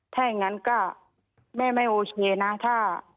ถ้าอย่างนั้นก็แม่ไม่โอเคนะถ้า